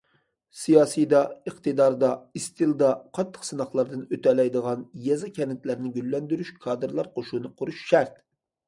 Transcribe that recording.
سىياسىيدا، ئىقتىداردا، ئىستىلدا قاتتىق سىناقلاردىن ئۆتەلەيدىغان يېزا- كەنتلەرنى گۈللەندۈرۈش كادىرلار قوشۇنى قۇرۇش شەرت.